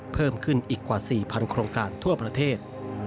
เพิ่มขึ้นอีกกว่า๔๐๐โครงการทั่วประเทศ